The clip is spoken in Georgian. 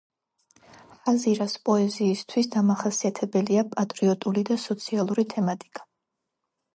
ჰაზირას პოეზიისათვის დამახასიათებელია პატრიოტული და სოციალური თემატიკა.